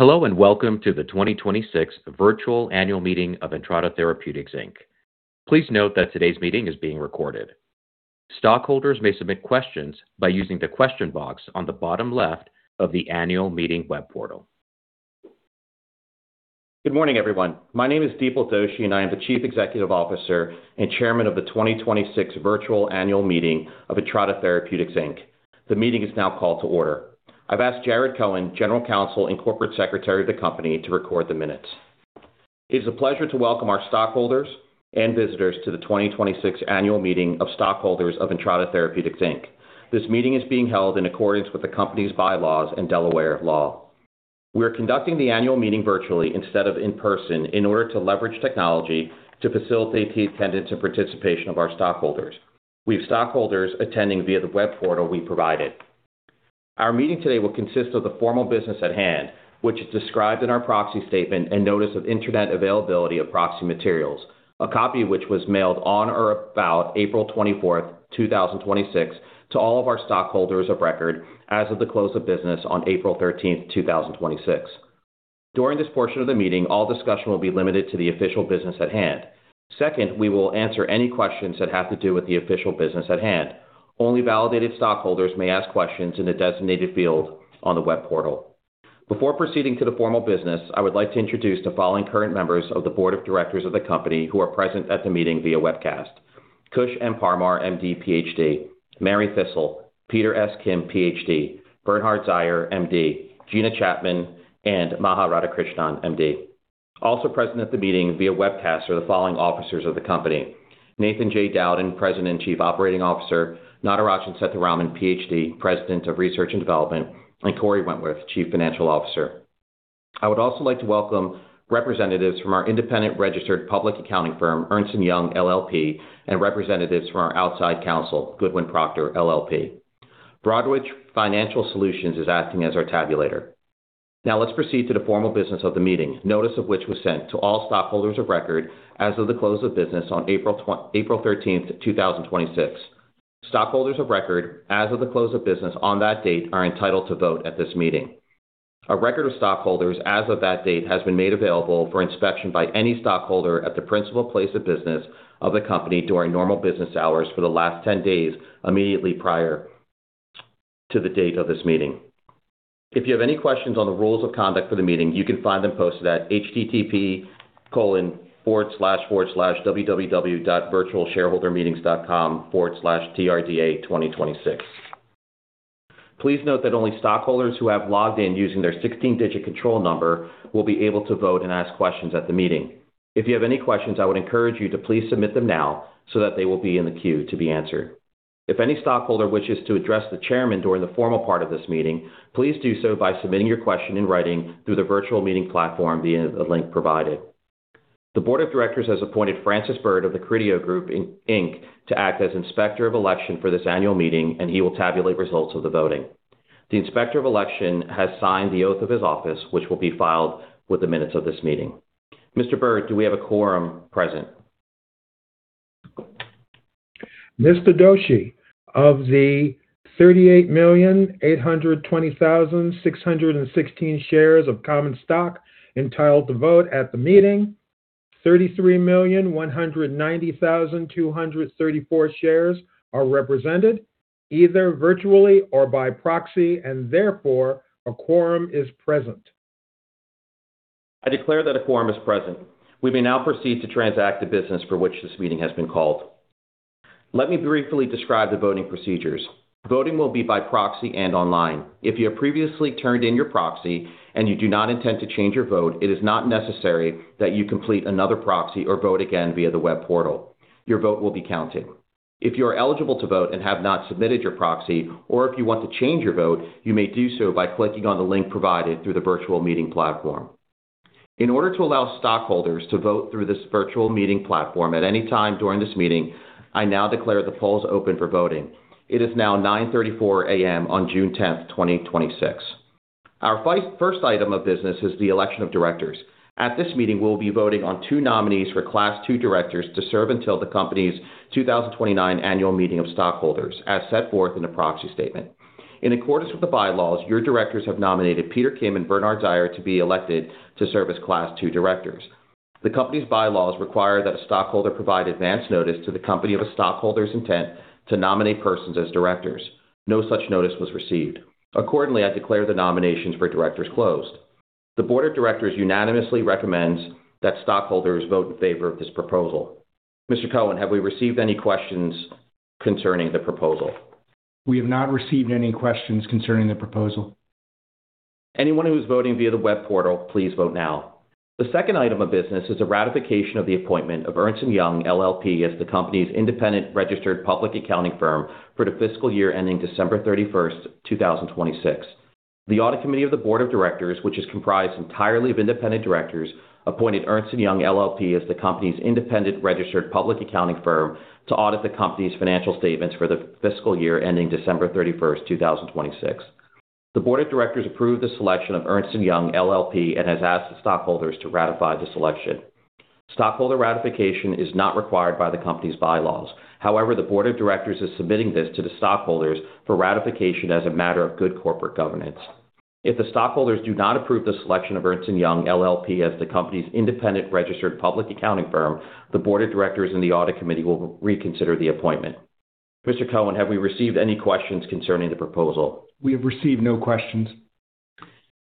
Hello, welcome to the 2026 virtual Annual Meeting of Entrada Therapeutics, Inc. Please note that today's meeting is being recorded. Stockholders may submit questions by using the question box on the bottom left of the annual meeting web portal. Good morning, everyone. My name is Dipal Doshi, and I am the Chief Executive Officer and Chairman of the 2026 virtual annual meeting of Entrada Therapeutics, Inc. The meeting is now called to order. I've asked Jared Cohen, General Counsel and Corporate Secretary of the company, to record the minutes. It is a pleasure to welcome our stockholders and visitors to the 2026 Annual Meeting of Stockholders of Entrada Therapeutics, Inc. This meeting is being held in accordance with the company's bylaws and Delaware law. We are conducting the annual meeting virtually instead of in person in order to leverage technology to facilitate the attendance and participation of our stockholders. We have stockholders attending via the web portal we provided. Our meeting today will consist of the formal business at hand, which is described in our proxy statement and notice of Internet availability of proxy materials, a copy of which was mailed on or about April 24th, 2026, to all of our stockholders of record as of the close of business on April 13th, 2026. During this portion of the meeting, all discussion will be limited to the official business at hand. Second, we will answer any questions that have to do with the official business at hand. Only validated stockholders may ask questions in the designated field on the web portal. Before proceeding to the formal business, I would like to introduce the following current members of the Board of Directors of the company who are present at the meeting via webcast. Kush M. Parmar, MD, PhD, Mary Thistle, Peter S. Kim, PhD, Bernhardt Zeiher, MD, Gina Chapman, and Maha Radhakrishnan, MD. Also present at the meeting via webcast are the following officers of the company. Nathan J. Dowden, President and Chief Operating Officer; Natarajan Sethuraman, PhD, President of Research and Development; and Kory Wentworth, Chief Financial Officer. I would also like to welcome representatives from our independent registered public accounting firm, Ernst & Young LLP, and representatives from our outside counsel, Goodwin Procter LLP. Broadridge Financial Solutions is acting as our tabulator. Let's proceed to the formal business of the meeting, notice of which was sent to all stockholders of record as of the close of business on April 13th, 2026. Stockholders of record as of the close of business on that date are entitled to vote at this meeting. A record of stockholders as of that date has been made available for inspection by any stockholder at the principal place of business of the company during normal business hours for the last 10 days immediately prior to the date of this meeting. If you have any questions on the rules of conduct for the meeting, you can find them posted at http://www.virtualshareholdermeeting.com/TRDA2026. Please note that only stockholders who have logged in using their 16-digit control number will be able to vote and ask questions at the meeting. If you have any questions, I would encourage you to please submit them now so that they will be in the queue to be answered. If any stockholder wishes to address the chairman during the formal part of this meeting, please do so by submitting your question in writing through the virtual meeting platform via the link provided. The Board of Directors has appointed Francis Byrd of The Carideo Group, Inc., to act as Inspector of Election for this annual meeting, and he will tabulate results of the voting. The Inspector of Election has signed the oath of his office, which will be filed with the minutes of this meeting. Mr. Byrd, do we have a quorum present? Mr. Doshi, of the 38,820,616 shares of common stock entitled to vote at the meeting, 33,190,234 shares are represented either virtually or by proxy. Therefore, a quorum is present. I declare that a quorum is present. We may now proceed to transact the business for which this meeting has been called. Let me briefly describe the voting procedures. Voting will be by proxy and online. If you have previously turned in your proxy and you do not intend to change your vote, it is not necessary that you complete another proxy or vote again via the web portal. Your vote will be counted. If you are eligible to vote and have not submitted your proxy, or if you want to change your vote, you may do so by clicking on the link provided through the virtual meeting platform. In order to allow stockholders to vote through this virtual meeting platform at any time during this meeting, I now declare the polls open for voting. It is now 9:34 A.M. on June 10th, 2026. Our first item of business is the election of directors. At this meeting, we'll be voting on two nominees for Class 2 directors to serve until the company's 2029 annual meeting of stockholders, as set forth in the proxy statement. In accordance with the bylaws, your directors have nominated Peter Kim and Bernhardt Zeiher to be elected to serve as Class 2 Directors. The company's bylaws require that a stockholder provide advance notice to the company of a stockholder's intent to nominate persons as directors. No such notice was received. Accordingly, I declare the nominations for directors closed. The Board of Directors unanimously recommends that stockholders vote in favor of this proposal. Mr. Cohen, have we received any questions concerning the proposal? We have not received any questions concerning the proposal. Anyone who is voting via the web portal, please vote now. The second item of business is the ratification of the appointment of Ernst & Young LLP as the company's independent registered public accounting firm for the fiscal year ending December 31st, 2026. The Audit Committee of the Board of Directors, which is comprised entirely of independent directors, appointed Ernst & Young LLP as the company's independent registered public accounting firm to audit the company's financial statements for the fiscal year ending December 31st, 2026. The Board of Directors approved the selection of Ernst & Young LLP and have asked the stockholders to ratify the selection. Stockholder ratification is not required by the company's bylaws. However, the board of directors is submitting this to the stockholders for ratification as a matter of good corporate governance. If the stockholders do not approve the selection of Ernst & Young LLP as the company's independent registered public accounting firm, the board of directors and the audit committee will reconsider the appointment. Mr. Cohen, have we received any questions concerning the proposal? We have received no questions.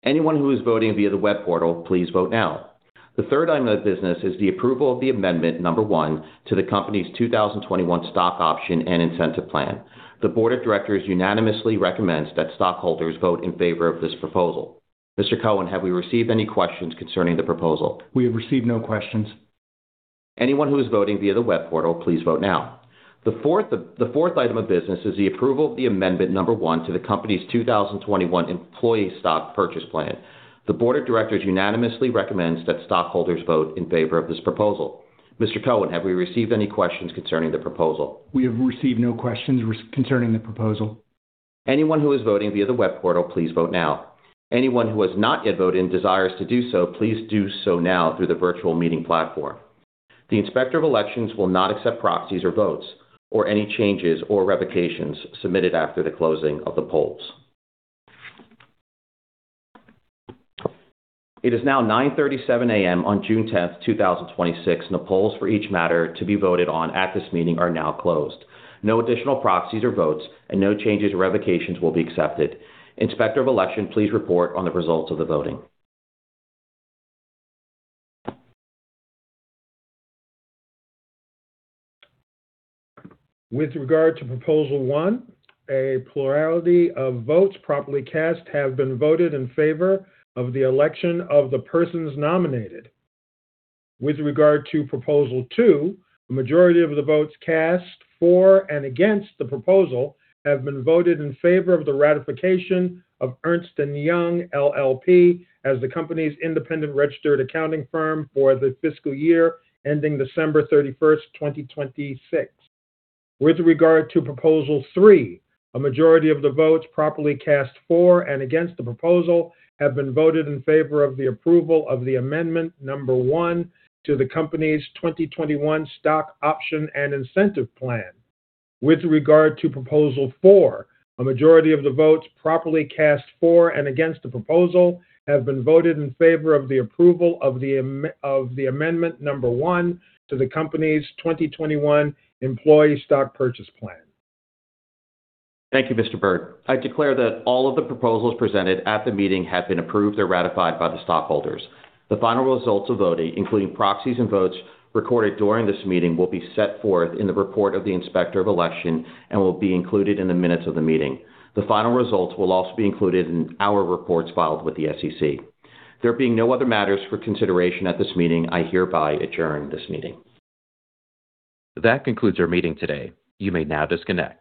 Anyone who is voting via the web portal, please vote now. The third item of business is the approval of Amendment Number 1 to the company's 2021 stock option and incentive plan. The board of directors unanimously recommends that stockholders vote in favor of this proposal. Mr. Cohen, have we received any questions concerning the proposal? We have received no questions. Anyone who is voting via the web portal, please vote now. The fourth item of business is the approval of Amendment Number 1 to the company's 2021 employee stock purchase plan. The board of directors unanimously recommends that stockholders vote in favor of this proposal. Mr. Cohen, have we received any questions concerning the proposal? We have received no questions concerning the proposal. Anyone who is voting via the web portal, please vote now. Anyone who has not yet voted and desires to do so, please do so now through the virtual meeting platform. The inspector of elections will not accept proxies or votes or any changes or revocations submitted after the closing of the polls. It is now 9:37 A.M. on June 10, 2026, and the polls for each matter to be voted on at this meeting are now closed. No additional proxies or votes and no changes or revocations will be accepted. Inspector of Elections, please report on the results of the voting. With regard to Proposal 1, a plurality of votes properly cast have been voted in favor of the election of the persons nominated. With regard to Proposal 2, the majority of the votes cast for and against the proposal have been voted in favor of the ratification of Ernst & Young LLP as the company's independent registered accounting firm for the fiscal year ending December 31, 2026. With regard to Proposal 3, a majority of the votes properly cast for and against the proposal have been voted in favor of the approval of the Amendment Number 1 to the company's 2021 Stock Option and Incentive Plan. With regard to Proposal 4, a majority of the votes properly cast for and against the proposal have been voted in favor of the approval of the Amendment Number 1 to the company's 2021 Employee Stock Purchase Plan. Thank you, Mr. Byrd. I declare that all of the proposals presented at the meeting have been approved or ratified by the stockholders. The final results of voting, including proxies and votes recorded during this meeting, will be set forth in the report of the Inspector of Elections and will be included in the minutes of the meeting. The final results will also be included in our reports filed with the SEC. There being no other matters for consideration at this meeting, I hereby adjourn this meeting. That concludes our meeting today. You may now disconnect.